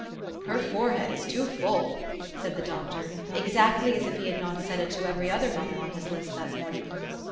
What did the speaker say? "Her forehead is too full," said the doctor; ex actly as if he had not said it to every other mother on his list that morning.